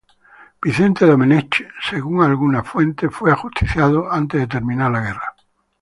Vicente Domenech según algunas fuentes, fue ajusticiado antes de terminar la guerra.